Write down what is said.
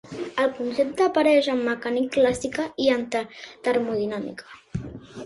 El concepte apareix en mecànica clàssica i en termodinàmica.